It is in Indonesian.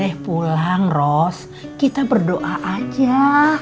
ayo deh pulang ros kita berdoa aja